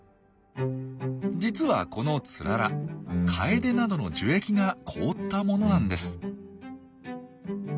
実はこのツララカエデなどの樹液が凍ったものなんです。